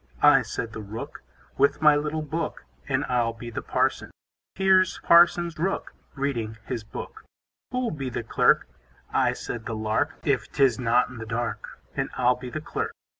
I, said the Rook, With my little book, And I'll be the Parson. Here's Parson Rook, Reading his book. Who'll be the Clerk? I, said the Lark, If 'tis not in the dark, And I'll be the Clerk.